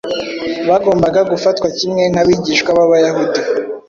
bagombaga gufatwa kimwe n’abigishwa b’Abayahudi